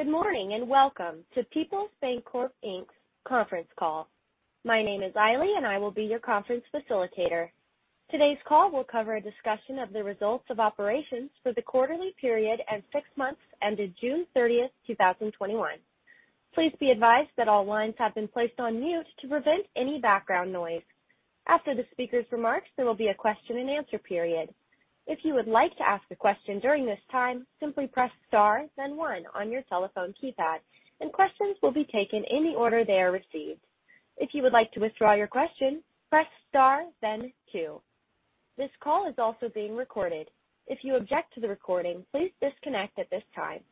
Good morning, and welcome to Peoples Bancorp Inc.'s conference call. My name is Ailey, and I will be your conference facilitator. Today's call will cover a discussion of the results of operations for the quarterly period and six months ended June 30th, 2021. Please be advised that all lines have been placed on mute to prevent any background noise. After the speakers' remarks, there will be a question-and-answer period. If you would like to ask a question during this time, simply press star, then one on your telephone keypad, and questions will be taken in the order they are received. If you would like to withdraw your question, press star, then two. This call is also being recorded. If you object to the recording, please disconnect at this time.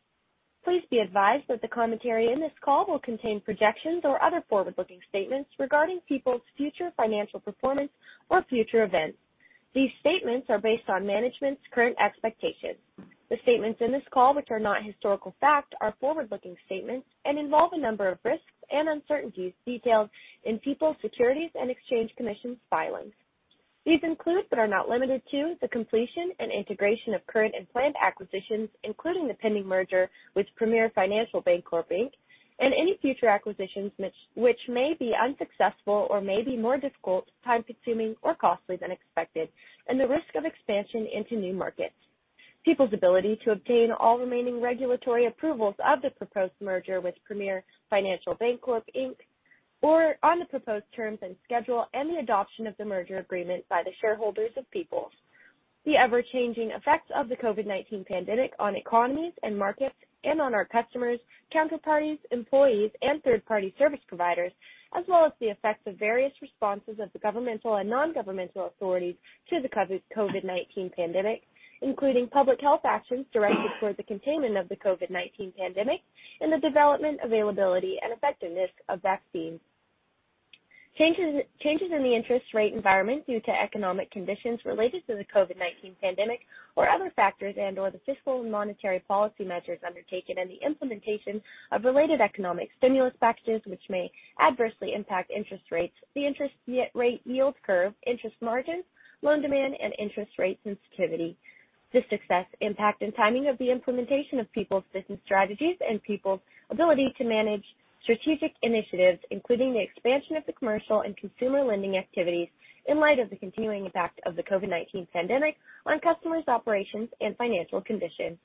Please be advised that the commentary in this call will contain projections or other forward-looking statements regarding Peoples' future financial performance or future events. These statements are based on management's current expectations. The statements in this call, which are not historical facts, are forward-looking statements and involve a number of risks and uncertainties detailed in Peoples' Securities and Exchange Commission filings. These include but are not limited to the completion and integration of current and planned acquisitions, including the pending merger with Premier Financial Bancorp Inc., and any future acquisitions which may be unsuccessful or may be more difficult, time-consuming, or costly than expected, and the risk of expansion into new markets. Peoples' ability to obtain all remaining regulatory approvals of the proposed merger with Premier Financial Bancorp Inc. or on the proposed terms and schedule and the adoption of the merger agreement by the shareholders of Peoples. The ever-changing effects of the COVID-19 pandemic on economies and markets and on our customers, counterparties, employees, and third-party service providers, as well as the effects of various responses of the governmental and non-governmental authorities to the COVID-19 pandemic, including public health actions directed toward the containment of the COVID-19 pandemic and the development, availability, and effectiveness of vaccines. Changes in the interest rate environment due to economic conditions related to the COVID-19 pandemic or other factors and/or the fiscal and monetary policy measures undertaken and the implementation of related economic stimulus packages, which may adversely impact interest rates, the interest rate yield curve, interest margin, loan demand, and interest rate sensitivity. The success, impact, and timing of the implementation of Peoples' business strategies and Peoples' ability to manage strategic initiatives, including the expansion of the commercial and consumer lending activities in light of the continuing impact of the COVID-19 pandemic on customers' operations and financial conditions.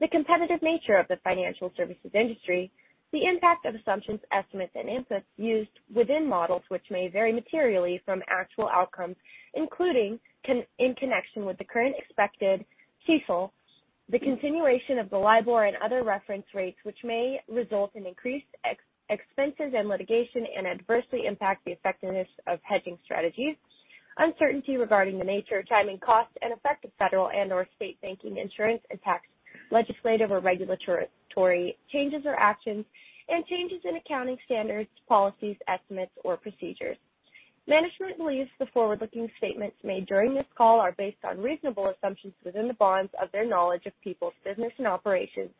The competitive nature of the financial services industry. The impact of assumptions, estimates, and inputs used within models, which may vary materially from actual outcomes, including in connection with the current expected CECL. The continuation of the LIBOR and other reference rates, which may result in increased expenses and litigation and adversely impact the effectiveness of hedging strategies. Uncertainty regarding the nature, timing, cost, and effect of federal and/or state banking insurance and tax, legislative or regulatory changes or actions, and changes in accounting standards, policies, estimates, or procedures. Management believes the forward-looking statements made during this call are based on reasonable assumptions within the bounds of their knowledge of Peoples' business and operations.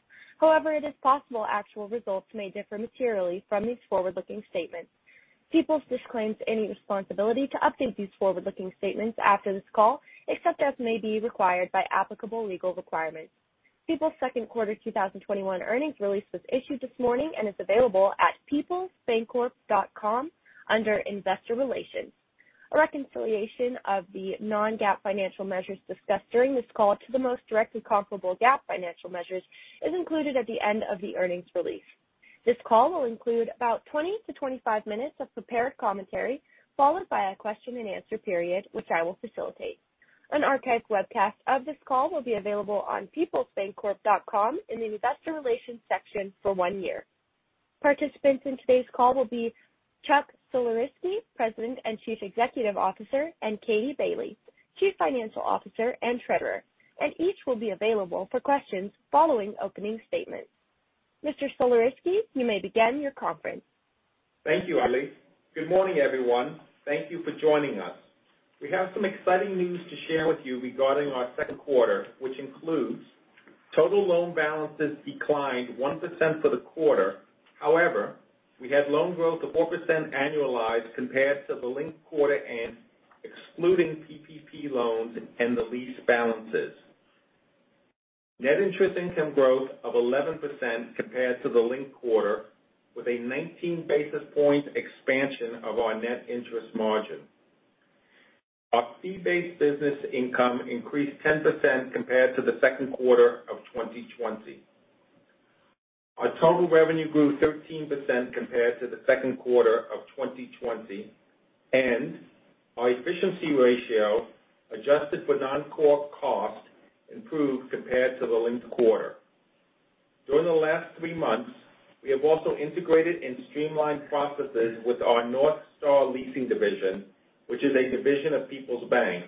However, it is possible actual results may differ materially from these forward-looking statements. Peoples disclaims any responsibility to update these forward-looking statements after this call, except as may be required by applicable legal requirements. Peoples' second quarter 2021 earnings release was issued this morning and is available at peoplesbancorp.com under Investor Relations. A reconciliation of the non-GAAP financial measures discussed during this call to the most directly comparable GAAP financial measures is included at the end of the earnings release. This call will include about 20 to 25 minutes of prepared commentary, followed by a question-and-answer period, which I will facilitate. An archived webcast of this call will be available on peoplesbancorp.com in the Investor Relations section for one year. Participants in today's call will be Chuck Sulerzyski, President and Chief Executive Officer, and Katie Bailey, Chief Financial Officer and Treasurer, and each will be available for questions following opening statements. Mr. Sulerzyski, you may begin your conference. Thank you, Ailey. Good morning, everyone. Thank you for joining us. We have some exciting news to share with you regarding our second quarter, which includes total loan balances that declined 1% for the quarter. However, we had loan growth of 4% annualized compared to the linked quarter, excluding PPP loans and the lease balances. net interest income growth of 11% compared to the linked quarter with a 19 basis point expansion of our net interest margin. Our fee-based business income increased 10% compared to the second quarter of 2020. Our total revenue grew 13% compared to the second quarter of 2020. Our efficiency ratio, adjusted for non-core costs, improved compared to the linked quarter. During the last three months, we have also integrated and streamlined processes with our North Star Leasing division, which is a division of Peoples Bank.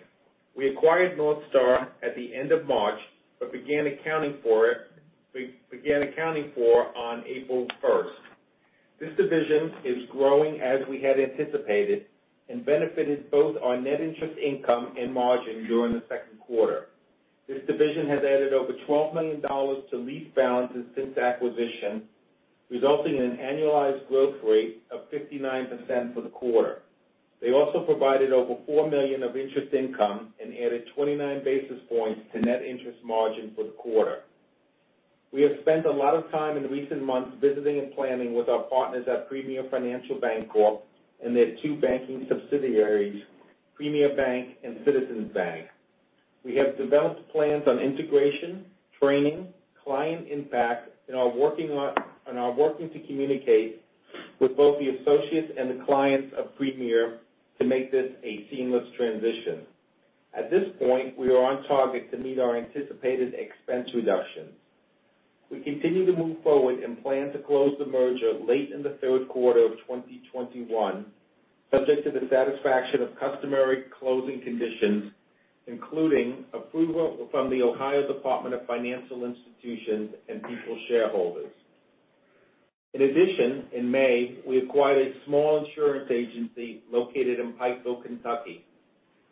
We acquired North Star at the end of March but began accounting for it on April 1st. This division is growing as we had anticipated and benefited both our net interest income and margin during the second quarter. This division has added over $12 million to lease balances since acquisition, resulting in an annualized growth rate of 59% for the quarter. They also provided over $4 million of interest income and added 29 basis points to net interest margin for the quarter. We have spent a lot of time in recent months visiting and planning with our partners at Premier Financial Bancorp and their two banking subsidiaries, Premier Bank and Citizens Bank. We have developed plans on integration, training, and client impact and are working to communicate with both the associates and the clients of Premier to make this a seamless transition. At this point, we are on target to meet our anticipated expense reduction. We continue to move forward and plan to close the merger late in the third quarter of 2021, subject to the satisfaction of customary closing conditions, including approval from the Ohio Division of Financial Institutions and Peoples shareholders. In addition, in May, we acquired a small insurance agency located in Pikeville, Kentucky.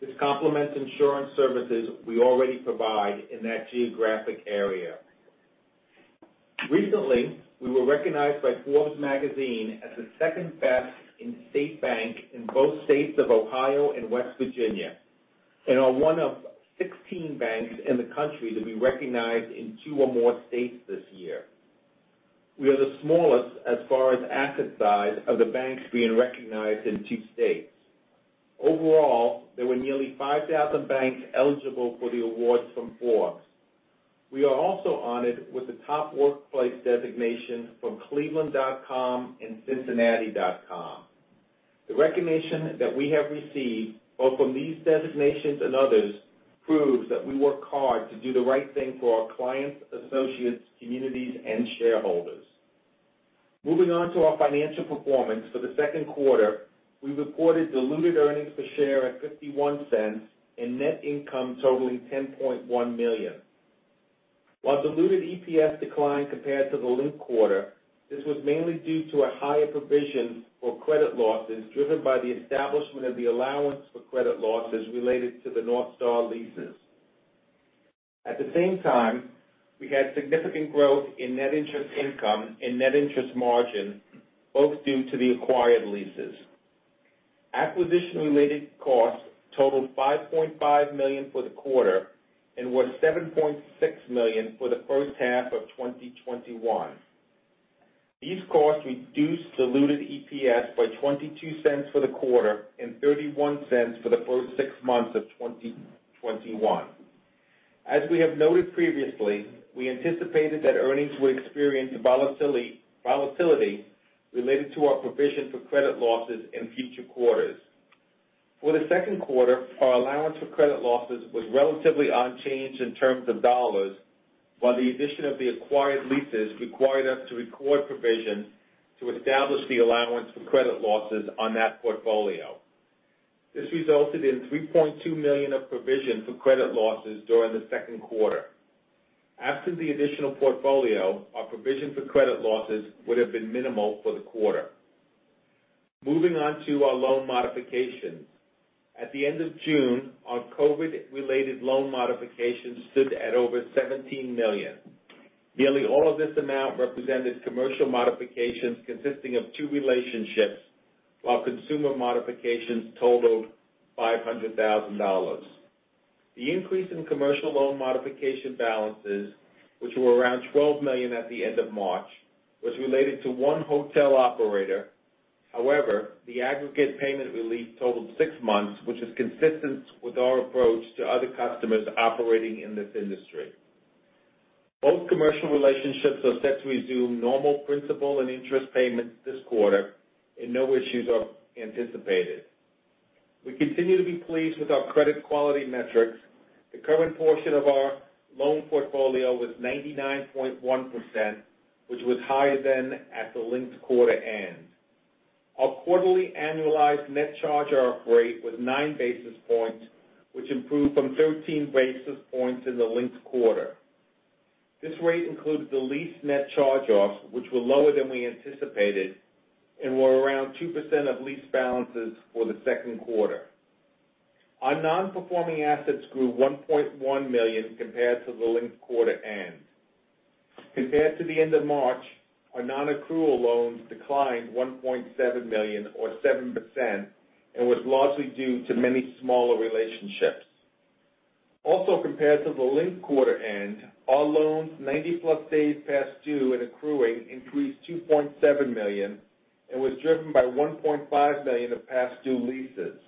This complements insurance services we already provide in that geographic area. Recently, we were recognized by Forbes magazine as the second-best in-state bank in both states of Ohio and West Virginia and are one of 16 banks in the country to be recognized in two or more states this year. We are the smallest, as far as asset size, of the banks being recognized in two states. Overall, there were nearly 5,000 banks eligible for the awards from Forbes. We are also honored with the Top Workplaces designation from cleveland.com and cincinnati.com. The recognition that we have received, both from these designations and others, proves that we work hard to do the right thing for our clients, associates, communities, and shareholders. Moving on to our financial performance for the second quarter, we reported diluted earnings per share at $0.51 and net income totaling $10.1 million. While diluted EPS declined compared to the linked quarter, this was mainly due to a higher provision for credit losses driven by the establishment of the allowance for credit losses related to the North Star leases. At the same time, we had significant growth in net interest income and net interest margin, both due to the acquired leases. Acquisition-related costs totaled $5.5 million for the quarter and were $7.6 million for the first half of 2021. These costs reduced diluted EPS by $0.22 for the quarter and $0.31 for the first six months of 2021. As we have noted previously, we anticipated that earnings would experience volatility related to our provision for credit losses in future quarters. For the second quarter, our allowance for credit losses was relatively unchanged in terms of dollars, while the addition of the acquired leases required us to record provisions to establish the allowance for credit losses on that portfolio. This resulted in $3.2 million of provision for credit losses during the second quarter. Absent the additional portfolio, our provision for credit losses would've been minimal for the quarter. Moving on to our loan modifications. At the end of June, our COVID-related loan modifications stood at over $17 million. Nearly all of this amount represented commercial modifications consisting of two relationships, while consumer modifications totaled $500,000. The increase in commercial loan modification balances, which were around $12 million at the end of March, was related to one hotel operator. However, the aggregate payment relief totaled six months, which is consistent with our approach to other customers operating in this industry. Both commercial relationships are set to resume normal principal and interest payments this quarter, and no issues are anticipated. We continue to be pleased with our credit quality metrics. The current portion of our loan portfolio was 99.1%, which was higher than at the linked quarter end. Our quarterly annualized net charge-off rate was nine basis points, which improved from 13 basis points in the linked quarter. This rate includes the lease net charge-offs, which were lower than we anticipated and were around 2% of lease balances for the second quarter. Our non-performing assets grew $1.1 million compared to the linked quarter-end. Compared to the end of March, our non-accrual loans declined $1.7 million, or 7%, and were largely due to many smaller relationships. Compared to the linked quarter end, our loans +90 days past due and accruing increased $2.7 million and were driven by $1.5 million of past due leases.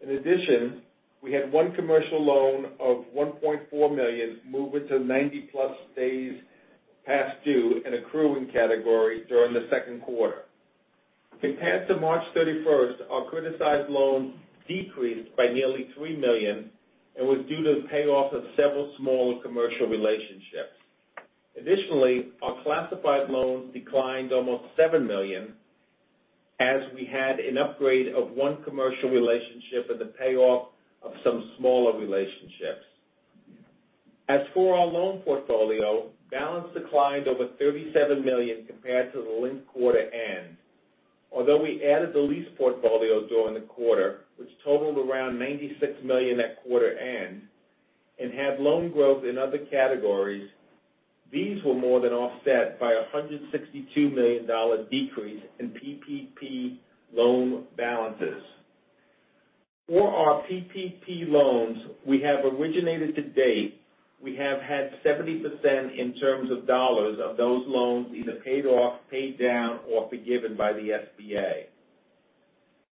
In addition, we had one commercial loan of $1.4 million move into the +90 days past due and accruing category during the second quarter. Compared to March 31st, our criticized loans decreased by nearly $3 million, which was due to the payoff of several small commercial relationships. Our classified loans declined almost $7 million as we had an upgrade of one commercial relationship and the payoff of some smaller relationships. As for our loan portfolio, the balance declined over $37 million compared to the linked quarter-end. Although we added the lease portfolios during the quarter, which totaled around $96 million at quarter-end, and had loan growth in other categories, these were more than offset by a $162 million decrease in PPP loan balances. For our PPP loans we have originated to date, we have had 70% in terms of dollars of those loans either paid off, paid down, or forgiven by the SBA.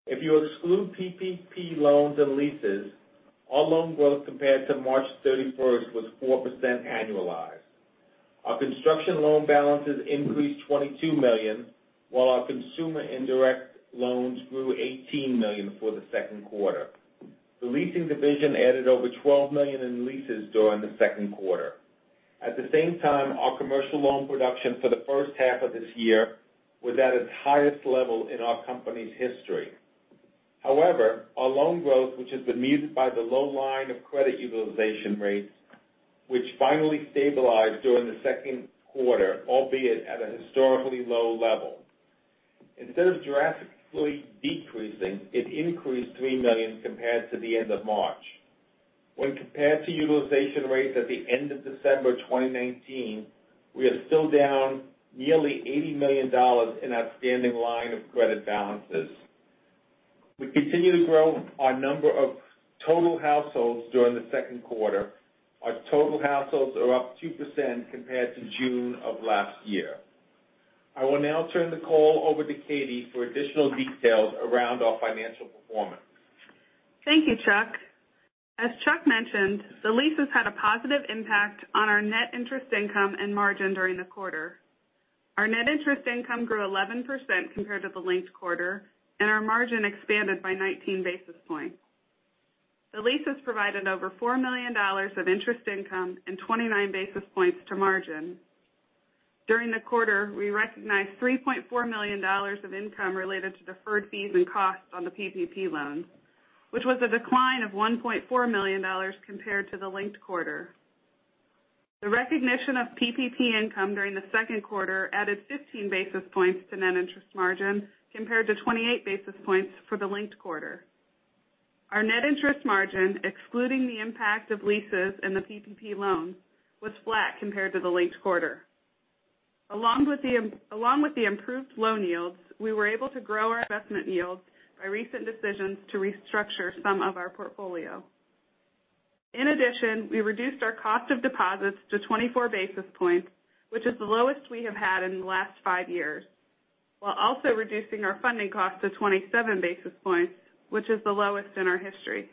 If you exclude PPP loans and leases, our loan growth compared to March 31st was 4% annualized. Our construction loan balances increased $22 million, while our consumer indirect loans grew $18 million for the second quarter. The leasing division added over $12 million in leases during the second quarter. At the same time, our commercial loan production for the first half of this year was at its highest level in our company's history. However, our loan growth, which has been muted by the low line of credit utilization rates, finally stabilized during the second quarter, albeit at a historically low level. Instead of drastically decreasing, it increased $3 million compared to the end of March. When compared to utilization rates at the end of December 2019, we are still down nearly $80 million in outstanding line of credit balances. We continue to grow our number of total households during the second quarter. Our total households are up 2% compared to June of last year. I will now turn the call over to Katie for additional details around our financial performance. Thank you, Chuck. As Chuck mentioned, the leases had a positive impact on our net interest income and margin during the quarter. Our net interest income grew 11% compared to the linked quarter, and our margin expanded by 19 basis points. The leases provided over $4 million of interest income and 29 basis points to margin. During the quarter, we recognized $3.4 million of income related to deferred fees and costs on the PPP loans, which was a decline of $1.4 million compared to the linked quarter. The recognition of PPP income during the second quarter added 15 basis points to net interest margin, compared to 28 basis points for the linked quarter. Our net interest margin, excluding the impact of leases and the PPP loans, was flat compared to the linked quarter. Along with the improved loan yields, we were able to grow our investment yields with recent decisions to restructure some of our portfolio. We reduced our cost of deposits to 24 basis points, which is the lowest we have had in the last five years, while also reducing our funding cost to 27 basis points, which is the lowest in our history.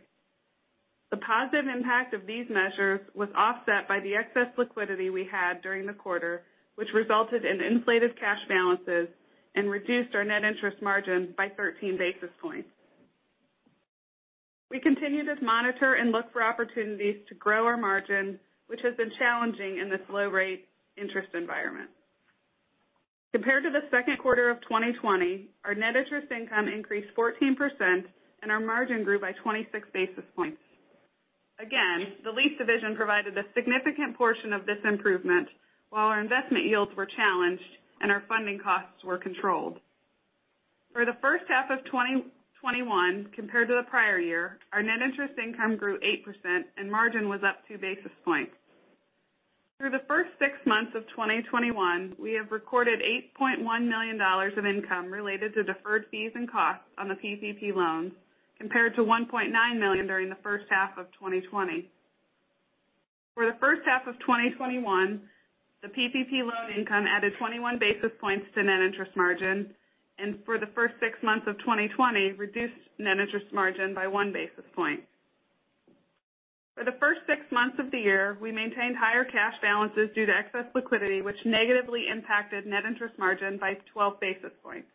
The positive impact of these measures was offset by the excess liquidity we had during the quarter, which resulted in inflated cash balances and reduced our net interest margin by 13 basis points. We continue to monitor and look for opportunities to grow our margin, which has been challenging in this low interest rate environment. Compared to the second quarter of 2020, our net interest income increased 14%, and our margin grew by 26 basis points. The lease division provided a significant portion of this improvement, while our investment yields were challenged and our funding costs were controlled. For the first half of 2021 compared to the prior year, our net interest income grew 8%, and margin was up two basis points. Through the first six months of 2021, we have recorded $8.1 million of income related to deferred fees and costs on the PPP loans, compared to $1.9 million during the first half of 2020. For the first half of 2021, the PPP loan income added 21 basis points to net interest margin, and for the first six months of 2020, reduced net interest margin by one basis point. For the first six months of the year, we maintained higher cash balances due to excess liquidity, which negatively impacted net interest margin by 12 basis points.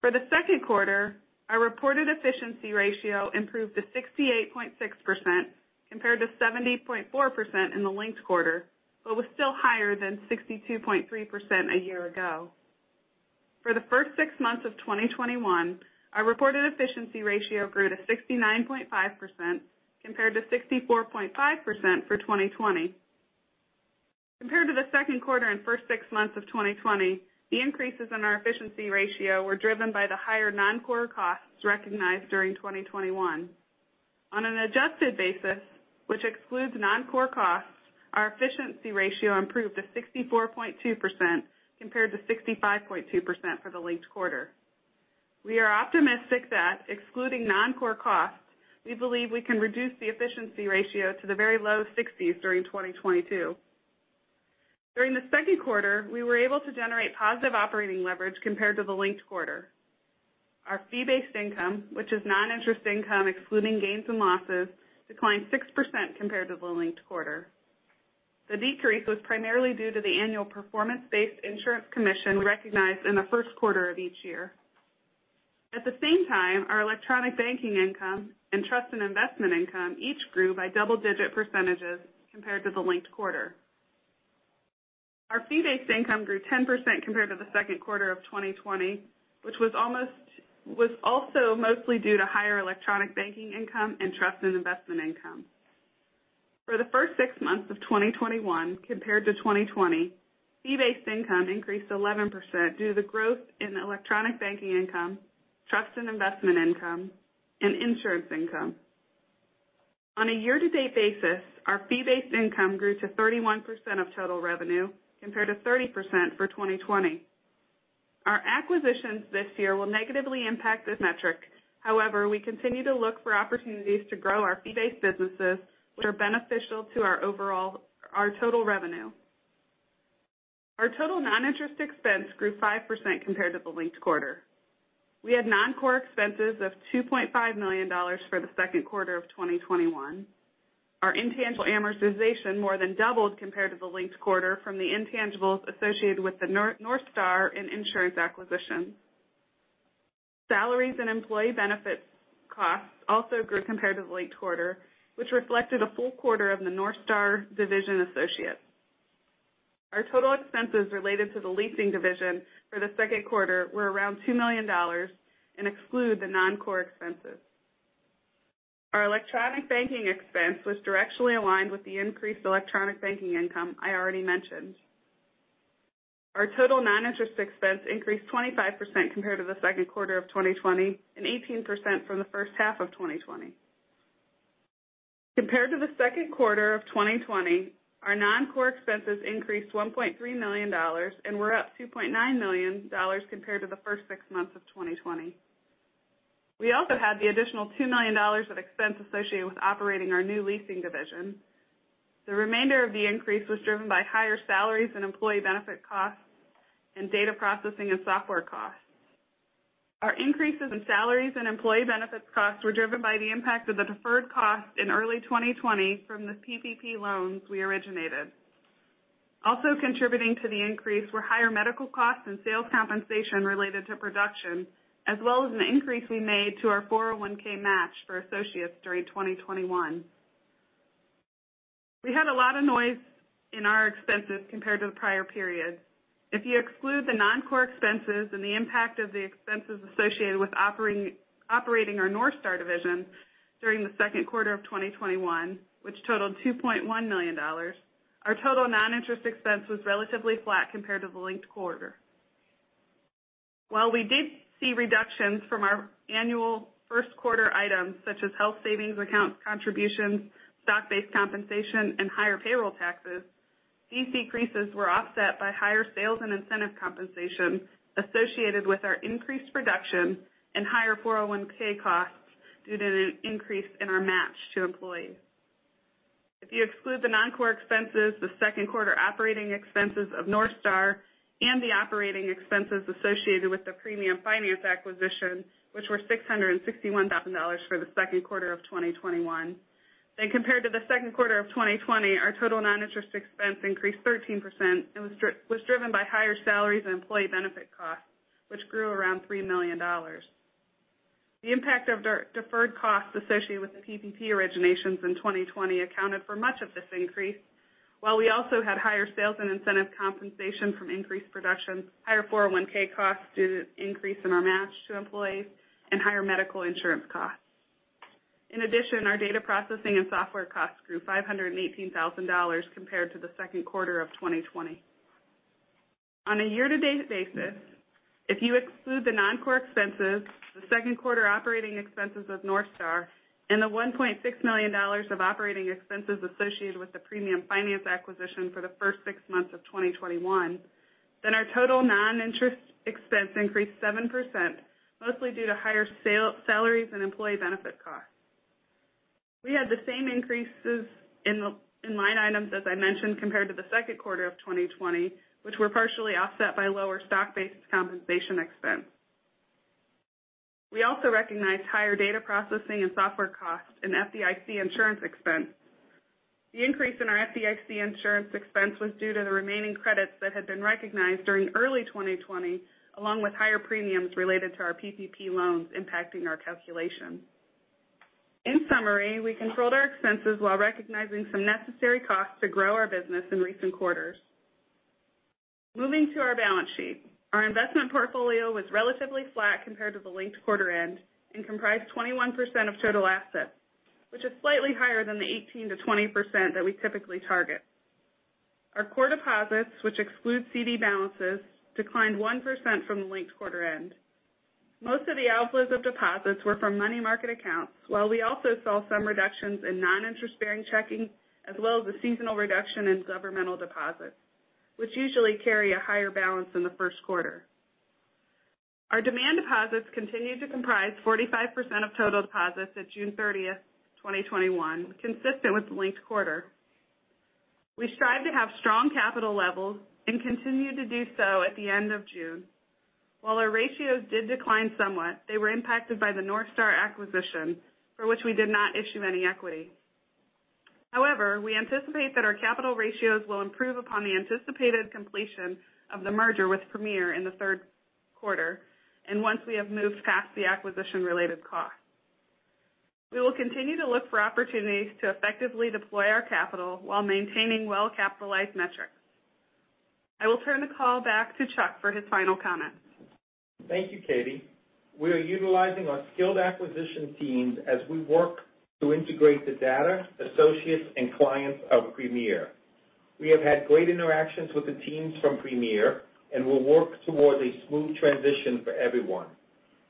For the second quarter, our reported efficiency ratio improved to 68.6%, compared to 70.4% in the linked quarter, but was still higher than 62.3% a year ago. For the first six months of 2021, our reported efficiency ratio grew to 69.5%, compared to 64.5% for 2020. Compared to the second quarter and first six months of 2020, the increases in our efficiency ratio were driven by the higher non-core costs recognized during 2021. On an adjusted basis, which excludes non-core costs, our efficiency ratio improved to 64.2%, compared to 65.2% for the linked quarter. We are optimistic that excluding non-core costs, we believe we can reduce the efficiency ratio to the very low 60s during 2022. During the second quarter, we were able to generate positive operating leverage compared to the linked quarter. Our fee-based income, which is non-interest income excluding gains and losses, declined 6% compared to the linked quarter. The decrease was primarily due to the annual performance-based insurance commission recognized in the first quarter of each year. At the same time, our electronic banking income and trust and investment income each grew by double-digit percentages compared to the linked quarter. Our fee-based income grew 10% compared to the second quarter of 2020, which was also mostly due to higher electronic banking income and trust and investment income. For the first six months of 2021 compared to 2020, fee-based income increased 11% due to the growth in electronic banking income, trust and investment income, and insurance income. On a year-to-date basis, our fee-based income grew to 31% of total revenue compared to 30% for 2020. Our acquisitions this year will negatively impact this metric. However, we continue to look for opportunities to grow our fee-based businesses, which are beneficial to our total revenue. Our total non-interest expense grew 5% compared to the linked quarter. We had non-core expenses of $2.5 million for the second quarter of 2021. Our intangible amortization more than doubled compared to the linked quarter from the intangibles associated with the North Star and insurance acquisitions. Salaries and employee benefit costs also grew compared to the linked quarter, which reflected a full quarter of the North Star division associates. Our total expenses related to the leasing division for the second quarter were around $2 million and exclude the non-core expenses. Our electronic banking expense was directly aligned with the increased electronic banking income I already mentioned. Our total non-interest expense increased 25% compared to the second quarter of 2020 and 18% from the first half of 2020. Compared to the second quarter of 2020, our non-core expenses increased $1.3 million and were up $2.9 million compared to the first six months of 2020. We also had the additional $2 million of expense associated with operating our new leasing division. The remainder of the increase was driven by higher salaries and employee benefit costs and data processing and software costs. Our increases in salaries and employee benefits costs were driven by the impact of the deferred cost in early 2020 from the PPP loans we originated. Also contributing to the increase were higher medical costs and sales compensation related to production, as well as an increase we made to our 401(k) match for associates during 2021. We had a lot of noise in our expenses compared to the prior period. If you exclude the non-core expenses and the impact of the expenses associated with operating our North Star division during the second quarter of 2021, which totaled $2.1 million, our total non-interest expense was relatively flat compared to the linked quarter. While we did see reductions from our annual first-quarter items such as health savings account contributions, stock-based compensation, and higher payroll taxes, these decreases were offset by higher sales and incentive compensation associated with our increased production and higher 401(k) costs due to an increase in our match to employees. If you exclude the non-core expenses, the second quarter operating expenses of North Star, and the operating expenses associated with the Premium Finance acquisition, which were $661,000 for the second quarter of 2021, compared to the second quarter of 2020, our total non-interest expense increased 13% and was driven by higher salaries and employee benefit costs, which grew around $3 million. The impact of deferred costs associated with the PPP originations in 2020 accounted for much of this increase. While we also had higher sales and incentive compensation from increased production, higher 401(k) costs due to an increase in our match to employees, and higher medical insurance costs. In addition, our data processing and software costs grew $518,000 compared to the second quarter of 2020. On a year-to-date basis, if you exclude the non-core expenses, the second quarter operating expenses of North Star, and the $1.6 million of operating expenses associated with the Premium Finance acquisition for the first six months of 2021, our total non-interest expense increased 7%, mostly due to higher salaries and employee benefit costs. We had the same increases in line items as I mentioned compared to the second quarter of 2020, which were partially offset by lower stock-based compensation expense. We also recognized higher data processing and software costs and FDIC insurance expense. The increase in our FDIC insurance expense was due to the remaining credits that had been recognized during early 2020, along with higher premiums related to our PPP loans impacting our calculation. In summary, we controlled our expenses while recognizing some necessary costs to grow our business in recent quarters. Moving to our balance sheet. Our investment portfolio was relatively flat compared to the linked quarter-end and comprised 21% of total assets, which is slightly higher than the 18%-20% that we typically target. Our core deposits, which excludes CD balances, declined 1% from the linked quarter-end. Most of the outflows of deposits were from money market accounts, while we also saw some reductions in non-interest-bearing checking, as well as a seasonal reduction in governmental deposits, which usually carry a higher balance in the first quarter. Our demand deposits continued to comprise 45% of total deposits at June 30, 2021, consistent with the linked quarter. We strive to have strong capital levels and continue to do so at the end of June. While our ratios did decline somewhat, they were impacted by the North Star acquisition, for which we did not issue any equity. We anticipate that our capital ratios will improve upon the anticipated completion of the merger with Premier in the third quarter and once we have moved past the acquisition-related costs. We will continue to look for opportunities to effectively deploy our capital while maintaining well-capitalized metrics. I will turn the call back to Chuck for his final comments. Thank you, Katie. We are utilizing our skilled acquisition teams as we work to integrate the data, associates, and clients of Premier. We have had great interactions with the teams from Premier and will work towards a smooth transition for everyone.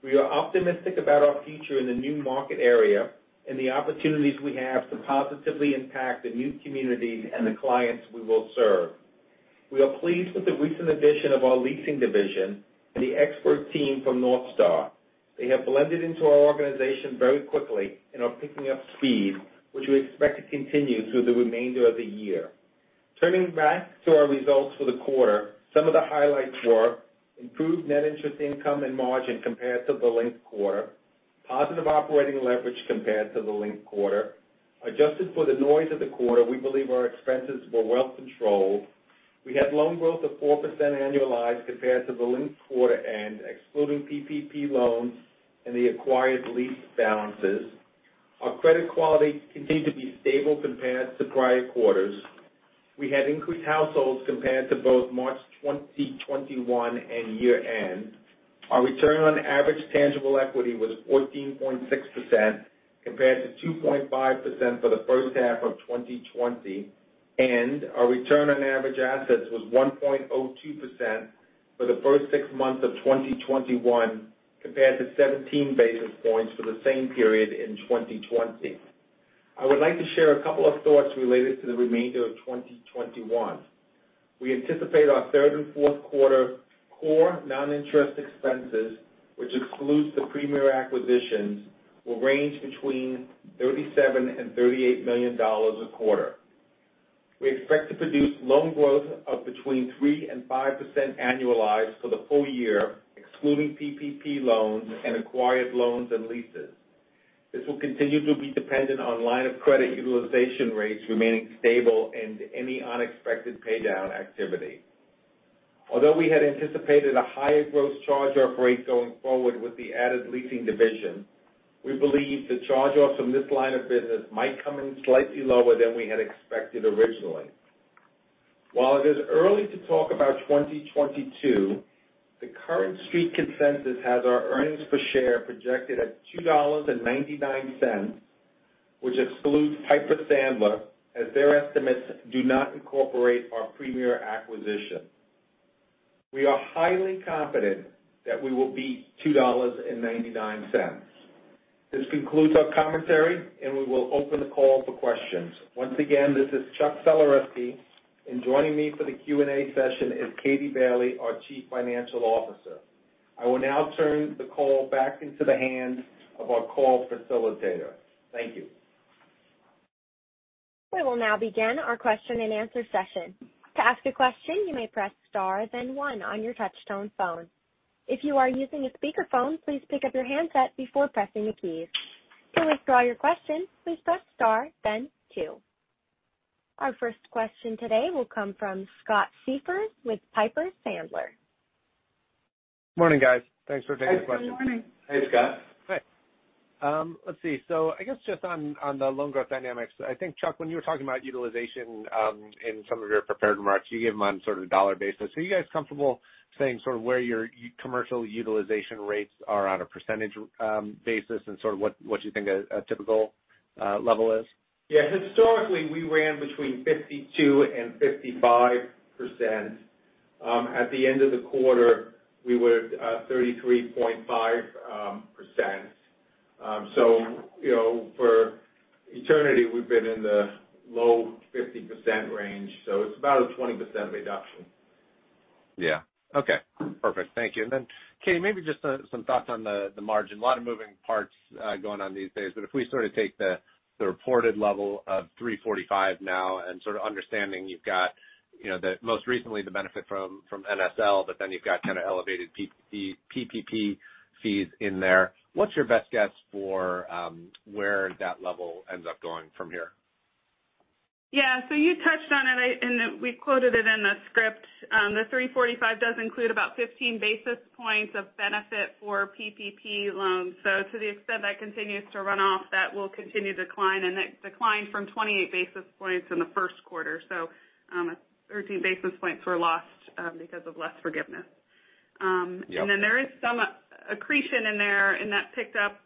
We are optimistic about our future in the new market area and the opportunities we have to positively impact the new communities and the clients we will serve. We are pleased with the recent addition of our leasing division and the expert team from North Star. They have blended into our organization very quickly and are picking up speed, which we expect to continue through the remainder of the year. Turning back to our results for the quarter, some of the highlights were improved net interest income and margin compared to the linked quarter and positive operating leverage compared to the linked quarter. Adjusted for the noise of the quarter, we believe our expenses were well controlled. We had loan growth of 4% annualized compared to the linked quarter and excluding PPP loans and the acquired lease balances. Our credit quality continued to be stable compared to prior quarters. We had increased households compared to both March 2021 and year-end. Our return on average tangible equity was 14.6% compared to 2.5% for the first half of 2020, and our return on average assets was 1.02% for the first six months of 2021 compared to 17 basis points for the same period in 2020. I would like to share a couple of thoughts related to the remainder of 2021. We anticipate our third and fourth quarter core non-interest expenses, which exclude the Premier acquisitions, will range between $37 million and $38 million a quarter. We expect to produce loan growth of between 3% and 5% annualized for the full year, excluding PPP loans and acquired loans and leases. This will continue to be dependent on line of credit utilization rates remaining stable and any unexpected paydown activity. Although we had anticipated a higher gross charge-off rate going forward with the added leasing division, we believe the charge-offs from this line of business might come in slightly lower than we had expected originally. While it is early to talk about 2022, the current Street consensus has our earnings per share projected at $2.99, which excludes Piper Sandler, as their estimates do not incorporate our Premier acquisition. We are highly confident that we will beat $2.99. This concludes our commentary, and we will open the call for questions. Once again, this is Chuck Sulerzyski, and joining me for the Q&A session is Katie Bailey, our Chief Financial Officer. I will now turn the call back into the hands of our call facilitator. Thank you. We will now begin our question-and-answer session. To ask a question, you may press star then one on your touch-tone phone. If you are using a speakerphone, please pick up your handset before pressing the keys. To withdraw your question, please press star then two. Our first question today will come from Scott Siefers with Piper Sandler. Morning, guys. Thanks for taking the question. Good morning. Hey, Scott. Hi. Let's see. I guess just on the loan growth dynamics, I think, Chuck, when you were talking about utilization in some of your prepared remarks, you gave them on sort of a dollar basis. Are you guys comfortable saying sort of where your commercial utilization rates are on a percentage basis and sort of what you think a typical level is? Yeah. Historically, we ran between 52% and 55%. At the end of the quarter, we were 33.5%. For eternity, we've been in the low- to 50% range, so it's about a 20% reduction. Yeah. Okay. Perfect. Thank you. Katie, maybe just some thoughts on the margin. A lot of moving parts are going on these days, but if we sort of take the reported level of 3.45% now and sort of understand you've got most recently the benefit from NSL, but then you've got kind of elevated PPP fees in there. What's your best guess for where that level ends up going from here? Yeah. You touched on it, and we quoted it in the script. The 345 does include about 15 basis points of benefit for PPP loans. To the extent that it continues to run off, that will continue to decline, and it declined from 28 basis points in the first quarter. 13 basis points were lost because of less forgiveness. Yep. There is some accretion in there, and that picked up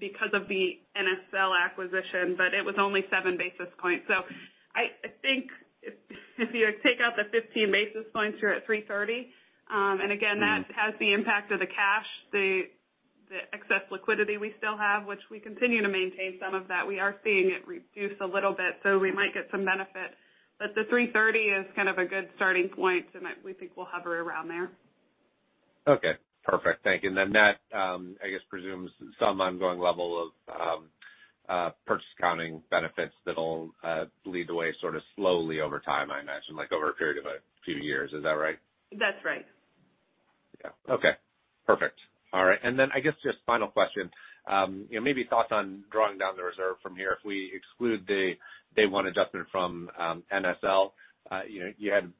because of the NSL acquisition, but it was only seven basis points. I think if you take out the 15 basis points, you're at 330. Again, that has the impact of the cash, the excess liquidity we still have, and we continue to maintain some of that. We are seeing it reduce a little bit, so we might get some benefit. The 330 is kind of a good starting point, and we think we'll hover around there. Okay. Perfect. Thank you. That I guess presumes some ongoing level of purchase accounting benefits that'll lead the way sort of slowly over time, I imagine, like over a period of a few years. Is that right? That's right. Yeah. Okay. Perfect. All right. I guess just one final question. Maybe thoughts on drawing down the reserve from here. If we exclude the Day One adjustment from NSL, you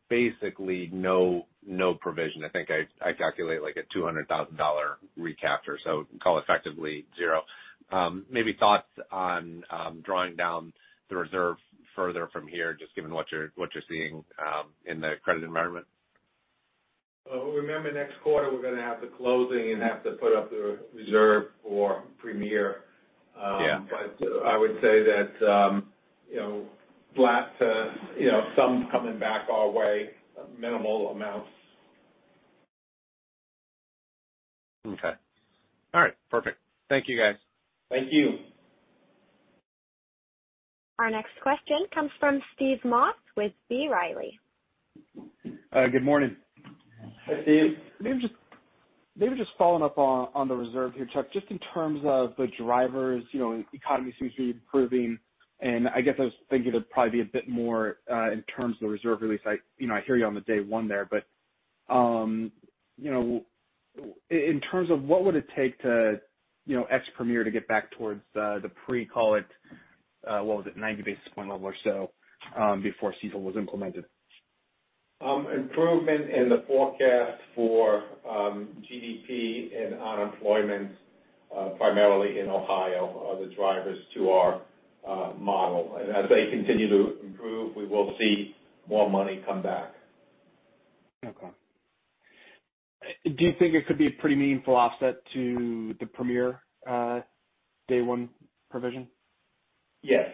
basically had no provision. I think I calculate like a $200,000 recapture, so call it effectively zero. Maybe thoughts on drawing down the reserve further from here, just given what you're seeing in the credit environment? Well, remember next quarter we're going to have the closing and have to put up the reserve for Premier. Yeah. I would say that flat to some coming back our way, minimal amounts. Okay. All right, perfect. Thank you, guys. Thank you. Our next question comes from Steve Moss with B. Riley. Good morning. Hi, Steve. Maybe just following up on the reserve here, Chuck, just in terms of the drivers, the economy seems to be improving. I guess I was thinking it would probably be a bit more in terms of the reserve release. I hear you on day one there, in terms of what it would take for ex Premier to get back towards the pre-COVID, what was it, 90 basis point level or so, before CECL was implemented. Improvement in the forecast for GDP and unemployment, primarily in Ohio, are the drivers to our model. As they continue to improve, we will see more money come back. Okay. Do you think it could be a pretty meaningful offset to the Premier day one provision? Yes.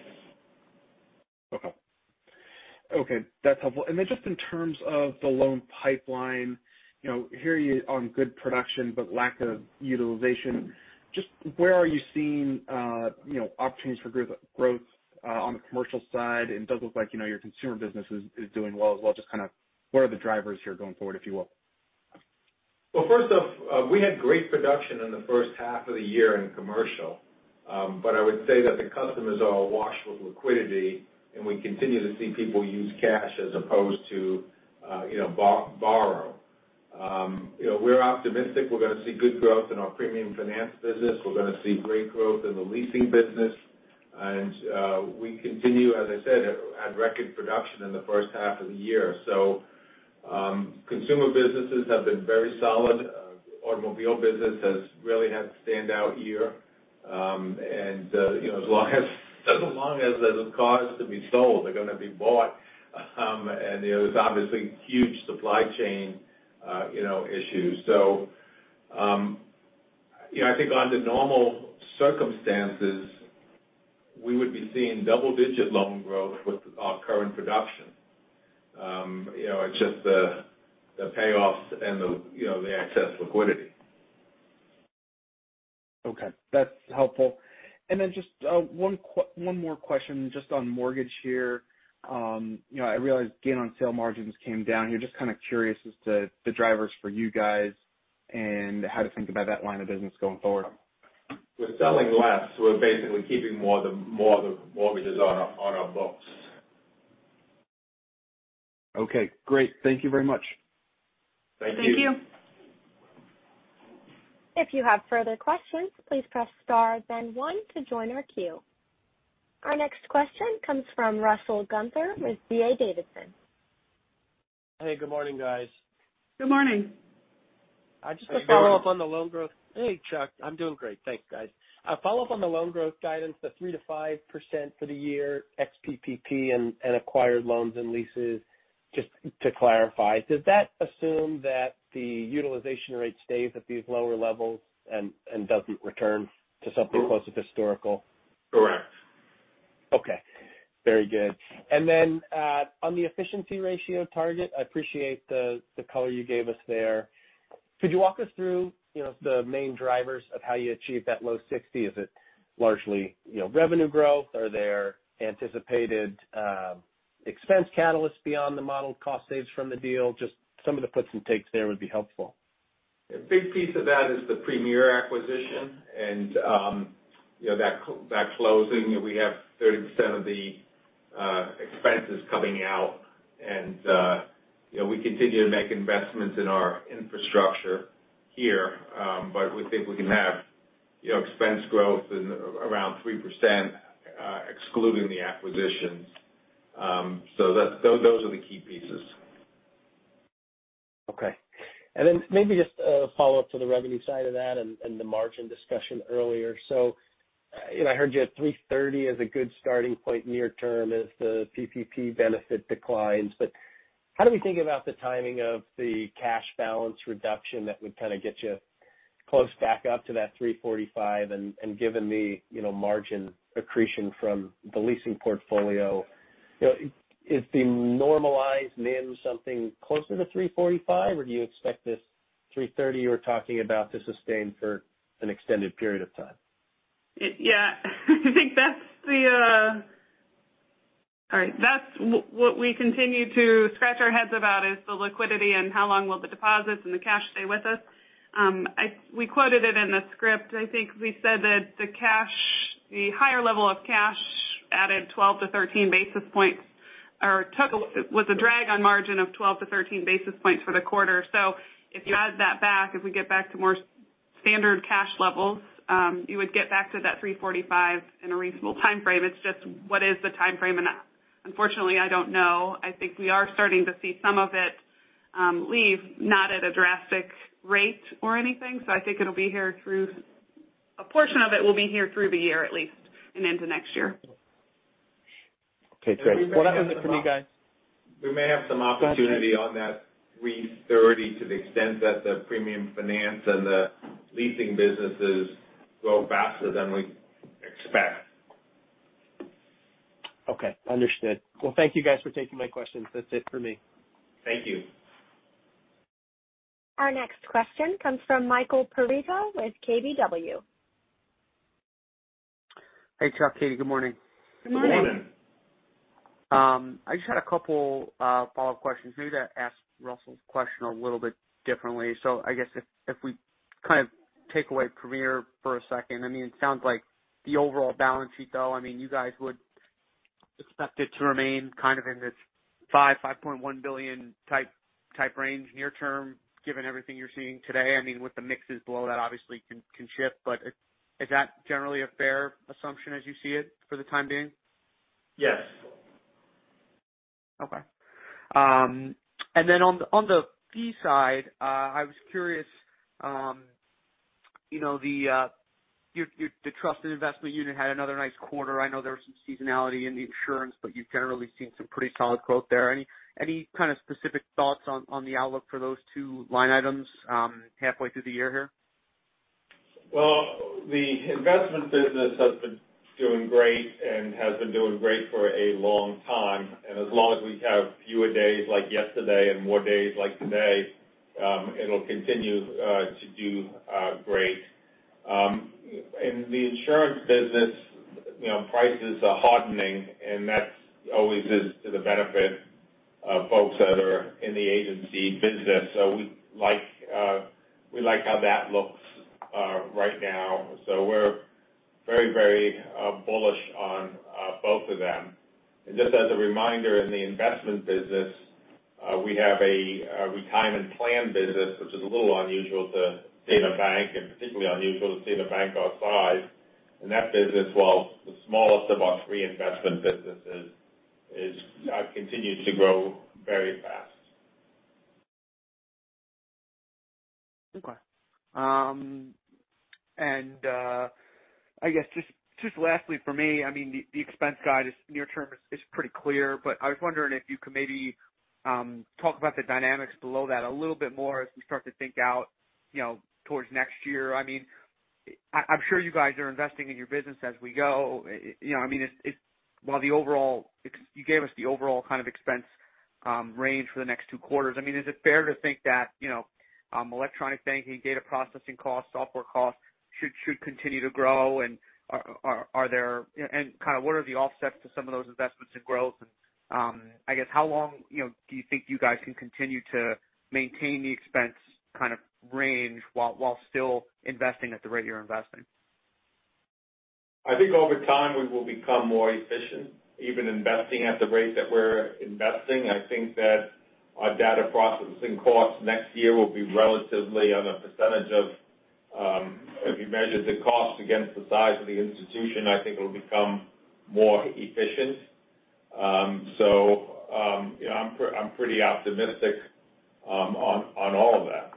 Okay. That's helpful. Just in terms of the loan pipeline, I hear you on good production but lack of utilization. Just where are you seeing opportunities for growth on the commercial side? It does look like your consumer business is doing well as well, just what are the drivers here going forward, if you will? Well, first off, we had great production in the first half of the year in commercial. I would say that the customers are awash with liquidity, and we continue to see people use cash as opposed to borrow. We're optimistic we're going to see good growth in our premium finance business. We're going to see great growth in the leasing business. We continue, as I said, at record production in the first half of the year. Consumer businesses have been very solid. Automobile business has really had a standout year. As long as there are cars to be sold, they're going to be bought. There are obviously huge supply chain issues. I think under normal circumstances, we would be seeing double-digit loan growth with our current production. It's just the payoffs and the excess liquidity. Okay, that's helpful. Just one more question on the mortgage here. I realize gain on sale margins came down. You're just kind of curious as to the drivers for you guys and how to think about that line of business going forward. We're selling less. We're basically keeping more of the mortgages on our books. Okay, great. Thank you very much. If you have further questions, please press star, then one, to join our queue. Our next question comes from Russell Gunther with D.A. Davidson. Hey, good morning, guys. Good morning. Hi, Russell. Just a follow-up on the loan growth. Hey, Chuck. I'm doing great. Thanks, guys. A follow-up on the loan growth guidance: 3%-5% for the year ex-PPP and acquired loans and leases. Just to clarify, does that assume that the utilization rate stays at these lower levels and doesn't return to something close to historical? Correct. Okay. Very good. On the efficiency ratio target, I appreciate the color you gave us there. Could you walk us through the main drivers of how you achieve that low 60? Is it largely revenue growth? Are there anticipated expense catalysts beyond the modeled cost saves from the deal? Just some of the puts and takes there would be helpful. A big piece of that is the Premier acquisition and its closing. We have 30% of the expenses coming out, and we continue to make investments in our infrastructure here. We think we can have expense growth around 3% excluding the acquisitions. Those are the key pieces. Okay. Then maybe just a follow-up to the revenue side of that and the margin discussion earlier. I heard you at 330 as a good starting point near-term as the PPP benefit declines. How do we think about the timing of the cash balance reduction that would kind of get you close back up to that 345, and given the margin accretion from the leasing portfolio, is the normalized NIM something closer to 345, or do you expect this 330 you were talking about to sustain for an extended period of time? Yeah. That's what we continue to scratch our heads about: the liquidity and how long the deposits and the cash will stay with us. We quoted it in the script. I think we said that the higher level of cash added 12 to 13 basis points or was a drag on the margin of 12 to 13 basis points for the quarter. If you add that back, if we get back to more standard cash levels, you would get back to that 345 in a reasonable timeframe. It's just, what is the timeframe? Unfortunately, I don't know. I think we are starting to see some of it leave, not at a drastic rate or anything. I think a portion of it will be here through the year at least and into next year. Okay, great. We may have some opportunity on that 330 to the extent that the premium finance and the leasing businesses grow faster than we expect. Okay, understood. Well, thank you guys for taking my questions. That's it for me. Thank you. Our next question comes from Michael Perito with KBW. Hey, Chuck, Katie. Good morning. Good morning. Good morning. I just had a couple follow-up questions. Maybe to ask Russell's question a little bit differently. I guess if we kind of take away Premier for a second, it sounds like the overall balance sheet, though, you guys would expect it to remain kind of in this $5 billion-$5.1 billion type range near-term, given everything you're seeing today. With the mixes below, that obviously can shift. Is that generally a fair assumption as you see it for the time being? Yes. Okay. Then on the fee side, I was curious, the trust and investment unit had another nice quarter. I know there was some seasonality in the insurance, you've generally seen some pretty solid growth there. Any kind of specific thoughts on the outlook for those two line items halfway through the year here? The investment business has been doing great and has been doing great for a long time. As long as we have fewer days like yesterday and more days like today, it'll continue to do great. In the insurance business, prices are hardening, and that always is to the benefit of folks that are in the agency business. We like how that looks right now. We're very bullish on both of them. Just as a reminder, in the investment business, we have a retirement plan business, which is a little unusual to see in a bank and particularly unusual to see in a bank our size. That business, while the smallest of our three investment businesses, continues to grow very fast. Okay. I guess just lastly for me, the expense side in the near term is pretty clear, but I was wondering if you could maybe talk about the dynamics below that a little bit more as we start to think out towards next year. I'm sure you guys are investing in your business as we go. You gave us the overall kind of expense range for the next two quarters. Is it fair to think that electronic banking, data processing costs, and software costs should continue to grow? What are the offsets to some of those investments and growth? I guess how long do you think you guys can continue to maintain the expense kind of range while still investing at the rate you're investing? I think over time we will become more efficient, even investing at the rate that we're investing. I think that our data processing costs next year will be relatively low; if you measure the cost against the size of the institution, I think it'll become more efficient. I'm pretty optimistic about all of that.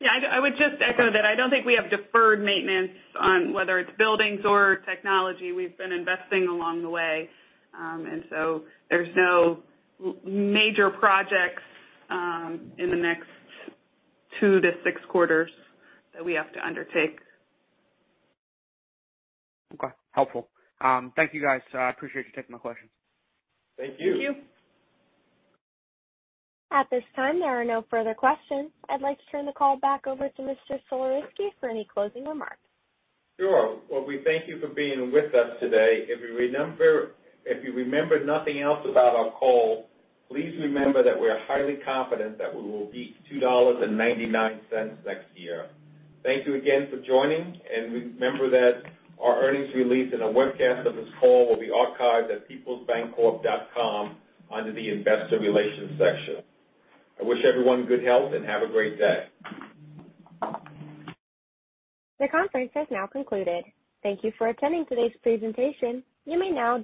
Yeah, I would just echo that. I don't think we have deferred maintenance on whether it's buildings or technology. We've been investing along the way. There are no major projects in the next two to six quarters that we have to undertake. Okay. Helpful. Thank you guys. I appreciate you taking my questions. Thank you. Thank you. At this time, there are no further questions. I'd like to turn the call back over to Mr. Sulerzyski for any closing remarks. Sure. Well, we thank you for being with us today. If you remember nothing else about our call, please remember that we are highly confident that we will beat $2.99 next year. Thank you again for joining, and remember that our earnings release and a webcast of this call will be archived at peoplesbancorp.com under the investor relations section. I wish everyone good health and have a great day. The conference has now concluded. Thank you for attending today's presentation. You may now disconnect.